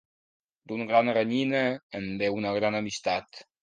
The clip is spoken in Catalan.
D'una gran renyina en ve una gran amistat.